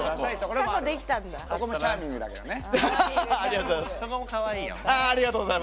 チャーミングだけどね。